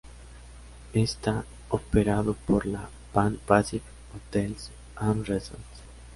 Está operado por la Pan Pacific Hotels and Resorts.